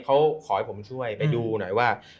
เขาขอให้ผมช่วยไปดูหน่อยว่า